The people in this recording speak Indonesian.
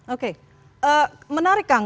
oke menarik kang